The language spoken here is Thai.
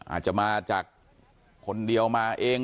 อาจจะมาจากคนเดียวมาเอง